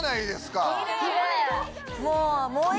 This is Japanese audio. もう。